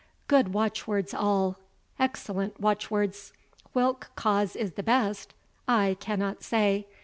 Good watchwords all excellent watchwords. Whilk cause is the best I cannot say.